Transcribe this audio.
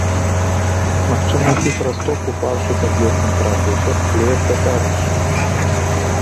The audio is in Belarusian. Магчыма, які храсток у фаршы катлетным трапіўся, але як дакажаш?